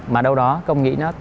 mà đâu đó